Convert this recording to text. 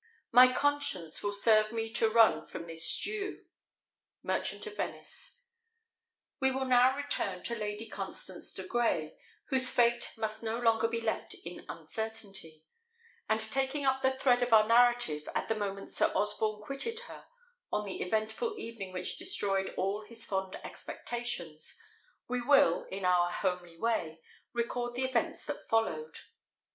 My conscience will serve me to run from this Jew. Merchant of Venice. We will now return to Lady Constance de Grey, whose fate must no longer be left in uncertainty; and taking up the thread of our narrative at the moment Sir Osborne quitted her, on the eventful evening which destroyed all his fond expectations, we will, in our homely way, record the events that followed.